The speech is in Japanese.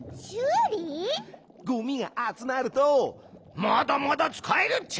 ゴミがあつまると「まだまだつかえるっちゃ！」